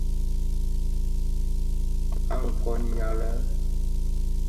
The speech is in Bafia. A kôn nyali.